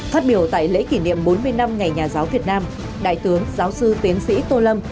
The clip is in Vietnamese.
phát biểu tại lễ kỷ niệm bốn mươi năm ngày nhà giáo việt nam đại tướng giáo sư tiến sĩ tô lâm